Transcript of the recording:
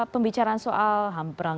pembicaraan soal perang